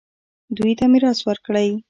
دوی ته میراث ورکړئ